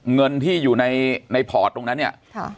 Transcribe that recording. เงินที่อยู่ในพอร์ตตรงนั้นเนี่ย